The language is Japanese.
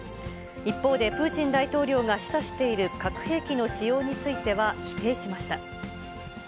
一方でプーチン大統領が示唆している核兵器の使用については否定しました。